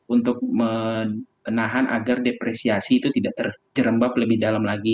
untuk menahan agar depresiasi itu tidak terjerembab lebih dalam lagi